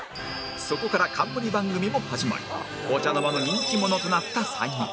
そこから冠番組も始まりお茶の間の人気者となった３人